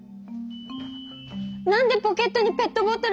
何でポケットにペットボトルが入ってるの？